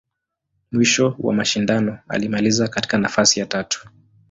Mwisho wa mashindano, alimaliza katika nafasi ya tatu.